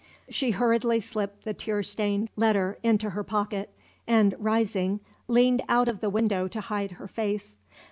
She hurriedly slipped the tear stained letter into her pocket; and, rising, leaned out of the window to hide her face.